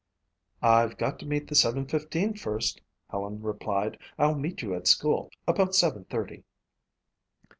"I've got to meet the seven fifteen first," Helen replied. "I'll meet you at school about seven thirty."